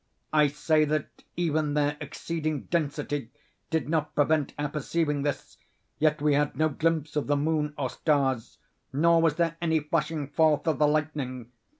I say that even their exceeding density did not prevent our perceiving this—yet we had no glimpse of the moon or stars—nor was there any flashing forth of the lightning.